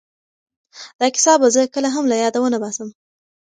دا کیسه به زه کله هم له یاده ونه باسم.